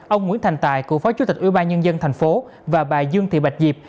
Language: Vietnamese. ông nguyễn thành tài cựu phó chủ tịch ưu ba nhân dân tp hcm và bà dương thị bạch diệp